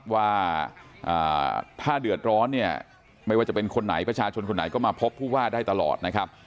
ว่าถ้าเดือดร้อนเนี่ยไม่ว่าจะเป็นคนไหนประชาชนคนไหนก็มาพบผู้ว่าได้ตลอดนะครับ